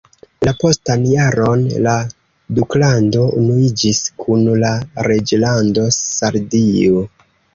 La postan jaron la duklando unuiĝis kun la reĝlando Sardio.